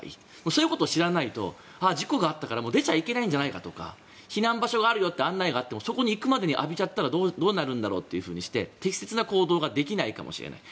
そういうことを知らないと事故があったから出ちゃいけないんじゃないかとか避難場所があるよっていう案内があってもそこに行くまでに浴びちゃったらどうなるんだろうと適切な行動ができないかもしれない。